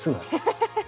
ハハハハ！